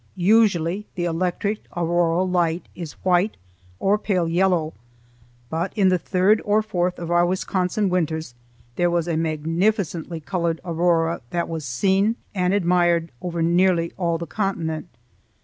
Usually the electric auroral light is white or pale yellow, but in the third or fourth of our Wisconsin winters there was a magnificently colored aurora that was seen and admired over nearly all the continent.